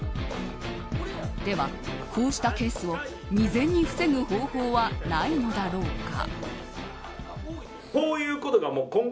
では、こうしたケースを未然に防ぐ方法はないのだろうか。